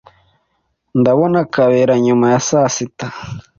Ndabona Kabera nyuma ya saa sita.